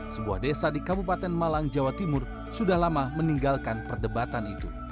sebuah desa di kabupaten malang jawa timur sudah lama meninggalkan perdebatan itu